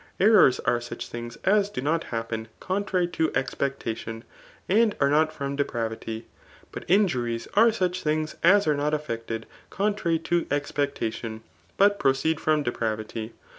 Errors are such things as do not happen contrary to expectation, and are not from depravity ; but injuries are such things as are not effected contrary to expec ta&>n, but proceed from depravity.